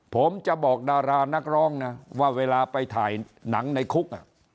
ผมจะบอกดารานักร้องนะว่าเวลาไปถ่ายหนังในคุก